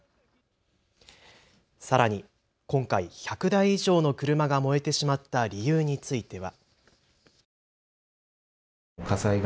さらに今回、１００台以上の車が燃えてしまった理由については。